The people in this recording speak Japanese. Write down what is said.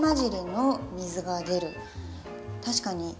確かに。